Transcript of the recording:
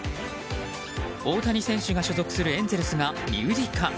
大谷選手が所属するエンゼルスが身売りか。